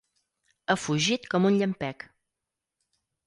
Ha fugit com un llampec.